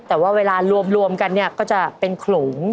แต่ว่าเวลารวมกันก็จะเป็นขลง